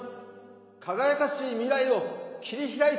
輝かしい未来を切り開いて。